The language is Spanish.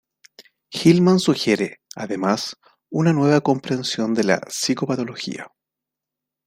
Hillman sugiere, además, una nueva comprensión de la psicopatología.